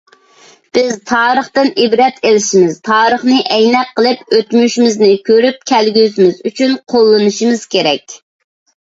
بىز تارىختىن ئىبرەت ئېلىشىمىز، تارىخنى ئەينەك قىلىپ ئۆتمۈشىمىزنى كۆرۈپ، كەلگۈسىمىز ئۈچۈن قوللىنىشىمىز كېرەك.